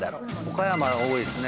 岡山が多いですね。